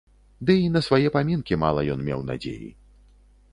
Ды і на свае памінкі мала ён меў надзеі.